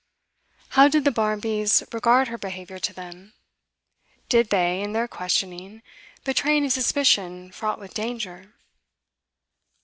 How did the Barmbys regard her behaviour to them? Did they, in their questioning, betray any suspicion fraught with danger?